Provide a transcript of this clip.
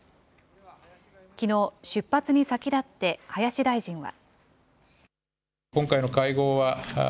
きのう、出発に先立って、林大臣は。